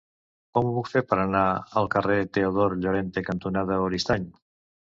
Com ho puc fer per anar al carrer Teodor Llorente cantonada Oristany?